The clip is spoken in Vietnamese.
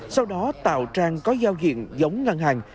sau đó tạo trang có giao diện giống ngân hàng